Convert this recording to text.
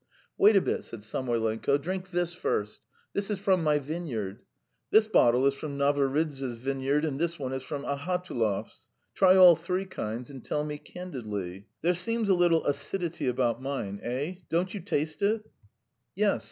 "Wait a bit," said Samoylenko. "Drink this first. ... This is from my vineyard. This bottle is from Navaridze's vineyard and this one is from Ahatulov's. ... Try all three kinds and tell me candidly. ... There seems a little acidity about mine. Eh? Don't you taste it?" "Yes.